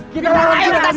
kita lawan dia